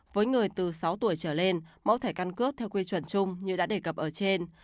với người từ sáu tuổi trở lên mẫu thẻ căn cước theo quy chuẩn chung như đã đề cập ở trên